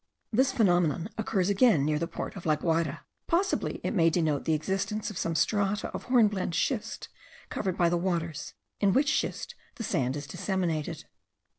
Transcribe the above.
This phenomenon occurs again near the port of La Guayra. Possibly it may denote the existence of some strata of hornblende schist covered by the waters, in which schist the sand is disseminated.